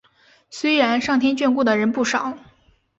虽然上天眷顾的人不少